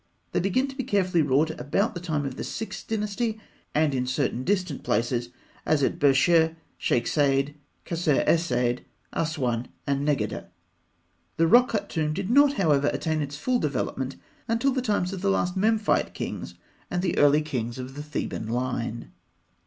They begin to be carefully wrought about the time of the Sixth Dynasty, and in certain distant places, as at Bersheh, Sheîkh Saîd, Kasr es Saîd, Asûan, and Negadeh. The rock cut tomb did not, however, attain its full development until the times of the last Memphite kings and the early kings of the Theban line.